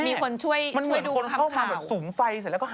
มีคนช่วยดูคำข่าว